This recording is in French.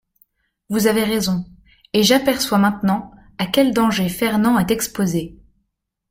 Vous avez raison, et j’aperçois maintenant à quels dangers Fernand est exposé.